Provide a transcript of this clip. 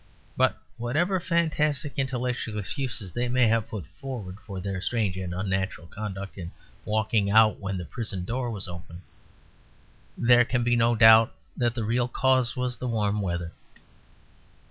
But whatever fantastic intellectual excuses they may have put forward for their strange and unnatural conduct in walking out when the prison door was open, there can be no doubt that the real cause was the warm weather.